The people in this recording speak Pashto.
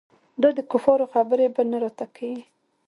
دا دکفارو خبرې به نه راته کيې.